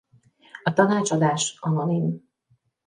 A tanácsadás anonim.